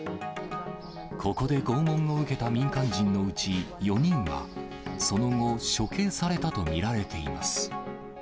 ここで拷問を受けた民間人のうち４人は、その後、処刑されたと見られています。